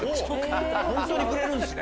本当にくれるんですね？